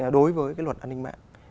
đối với luật an ninh mạng